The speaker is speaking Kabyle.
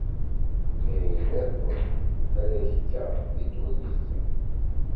Ayen akk ara kkeɣ di ddunit.